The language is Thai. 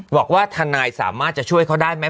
บอกว่าทนายสามารถจะช่วยเขาได้ไหม